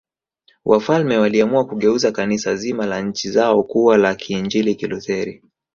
Wafalme waliamua kugeuza Kanisa zima la nchi zao kuwa la Kiinjili Kilutheri